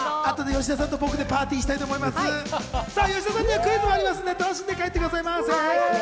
吉田さんにはクイズもありますので、楽しんで帰ってください。